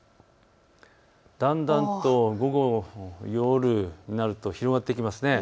だんだんと午後、夜になると広がってきますね。